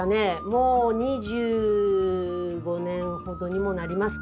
もう２５年ほどにもなります。